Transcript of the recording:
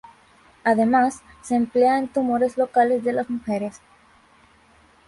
Además, se emplea en tumores locales de las mujeres.